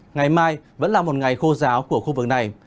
ngày mai vẫn là một ngày khô giáo của khu vực này